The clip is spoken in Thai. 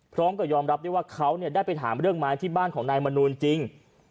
พร้อมกับยอมรับได้ว่าเขาได้ไปถามเรื่องไม้ที่บ้านของนายมนูลจริง